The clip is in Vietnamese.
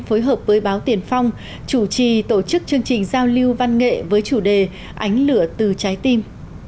phối hợp với báo tiền phong chủ trì tổ chức chương trình giao lưu văn nghệ với chủ đề ánh lửa từ trái tim